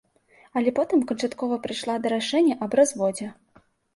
Але потым канчаткова прыйшла да рашэння аб разводзе.